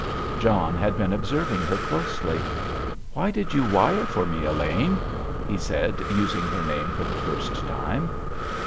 John had been observing her closely. "Why did you wire for me, Elaine?" he said, using her name for the first time.